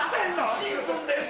シーズンです！